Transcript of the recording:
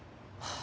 あ。